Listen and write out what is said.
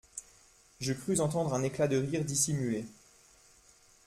Je crus entendre un éclat de rire dissimulé.